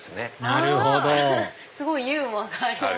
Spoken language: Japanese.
なるほどすごいユーモアがありますね。